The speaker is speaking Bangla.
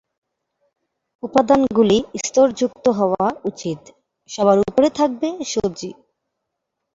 উপাদানগুলি স্তরযুক্ত হওয়া উচিত, সবার উপরে থাকবে সবজি।